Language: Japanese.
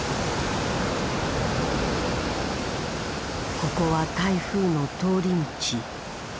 ここは台風の通り道。